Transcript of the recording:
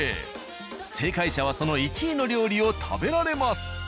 正解者はその１位の料理を食べられます。